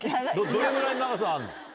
どれぐらいの長さあるの？